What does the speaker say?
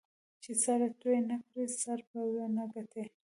چې سره توی نه کړې؛ سره به و نه ګټې.